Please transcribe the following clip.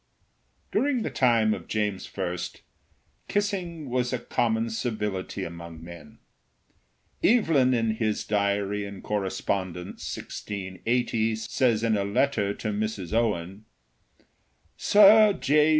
During the time of James I. kissing was a common civility among men. Evelyn in his Diary and Correspondence, 1680, says in a letter to Mrs. Owen: "Sir J.